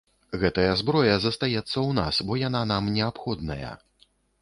Гэтая зброя застаецца ў нас, бо яна нам неабходная.